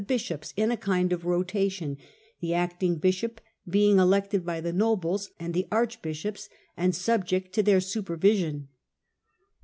71 bishops in a kind of rotation, the acting bishop being elected by the nobles and the archbishops, and sub Beiation of J®^* ^^'^^ supervision.